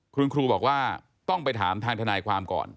คุณครูบอกว่าต้องไปถามทางทนายความก่อน